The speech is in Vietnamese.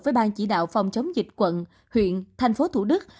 với bang chỉ đạo phòng chống dịch quận huyện thành phố thủ đức